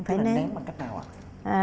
phải nén bằng cách nào ạ